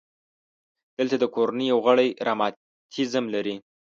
دلته د کورنۍ یو غړی رماتیزم لري.